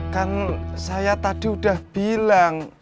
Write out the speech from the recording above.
kan saya tadi udah bilang